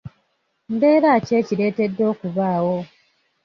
Mbeera ki ekiretedde okubaawo?